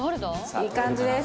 いい感じです。